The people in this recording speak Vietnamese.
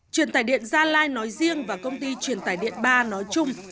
truyền tải điện gia lai nói riêng và công ty truyền tài điện ba nói chung